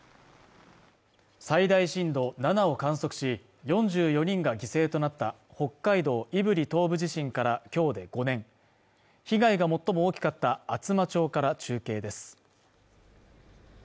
最大震度７を観測し４４人が犠牲となった北海道胆振東部地震からきょうで５年被害が最も大きかった厚真町から中継です